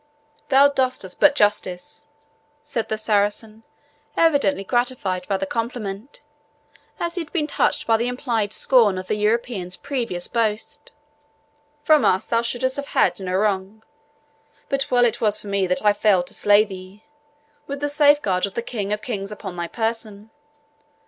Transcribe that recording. "Thou dost us but justice," said the Saracen, evidently gratified by the compliment, as he had been touched by the implied scorn of the European's previous boast; "from us thou shouldst have had no wrong. But well was it for me that I failed to slay thee, with the safeguard of the king of kings upon thy person.